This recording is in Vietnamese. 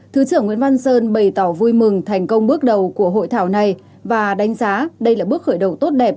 thứ trưởng nguyễn văn sơn bày tỏ vui mừng thành công bước đầu của hội thảo này và đánh giá đây là bước khởi đầu tốt đẹp